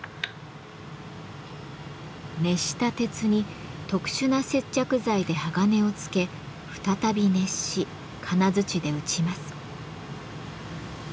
熱した鉄に特殊な接着剤で鋼をつけ再び熱し金槌で打ちます。